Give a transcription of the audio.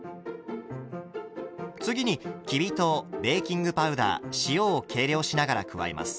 次にきび糖ベーキングパウダー塩を計量しながら加えます。